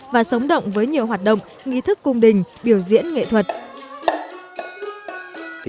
và sống động với nhiều hoạt động nghi thức cung đình biểu diễn nghệ thuật